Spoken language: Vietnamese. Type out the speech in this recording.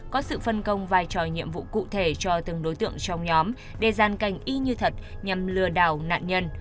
có sự phân công vài tròi nhiệm vụ cụ thể cho từng đối tượng trong nhóm để gian cảnh y như thật nhằm lừa đảo nạn nhân